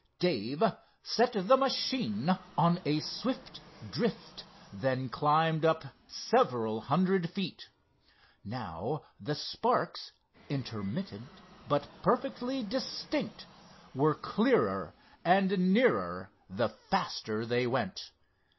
Dave set the machine on a swift drift then climbed up several hundred feet. Now the sparks, intermittent but perfectly distinct, were clearer and nearer the faster they went.